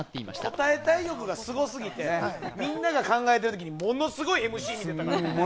答えたい欲がすごすぎてみんなが考えているときにものすごいＭＣ見てたから。